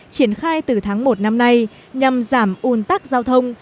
triển khai từ tháng một năm nay nhằm giảm un tắc giao thông